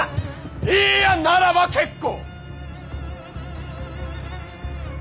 いいやならば結構！